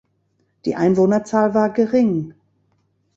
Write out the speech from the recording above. Die Einwohnerzahl war gering.